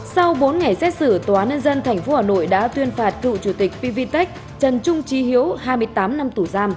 sau bốn ngày xét xử tòa nân dân tp hà nội đã tuyên phạt cựu chủ tịch pvtec trần trung tri hiếu hai mươi tám năm